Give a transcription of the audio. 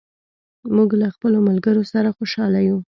موږ له خپلو ملګرو سره خوشاله یو.